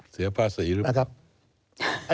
เสียภาษีหรือเปล่า